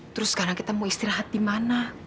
terus sekarang kita mau istirahat dimana